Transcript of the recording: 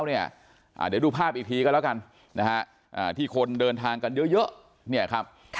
เดี๋ยวดูภาพอีกทีก็แล้วกันที่คนเดินทางกันเยอะ